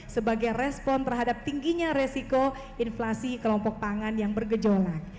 sebagai respon terhadap tingginya resiko inflasi kelompok pangan yang bergejolak